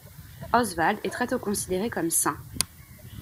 Oswald est très tôt considéré comme saint.